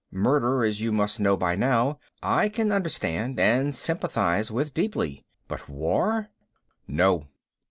Murder, as you must know by now, I can understand and sympathize with deeply, but war? no!